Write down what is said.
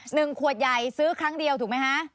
หนึ่งขวดใหญ่ซื้อครั้งเดียวถูกไหมคะ